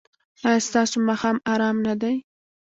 ایا ستاسو ماښام ارام نه دی؟